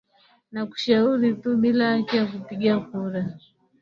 na kushauri tu bila haki ya kupiga kura